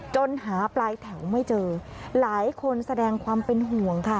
จนหาปลายแถวไม่เจอหลายคนแสดงความเป็นห่วงค่ะ